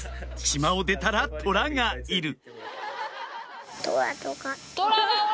「島を出たらトラがいる」